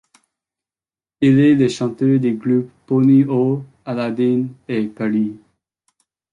Il est le chanteur des groupes Poni Hoax, Aladdin et Paris.